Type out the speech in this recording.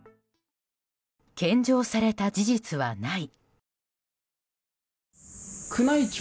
献上された事実はない。